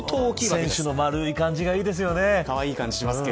船首の丸い感じがいいですね。